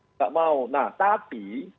nggak mau nah tapi